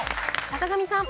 坂上さん。